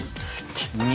２。